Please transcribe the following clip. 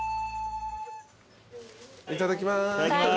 いただきます。